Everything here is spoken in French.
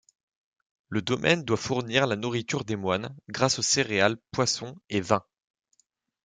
Le domaine doit fournir la nourriture des moines, grâce aux céréales, poissons et vins.